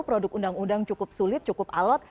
produk undang undang cukup sulit cukup alot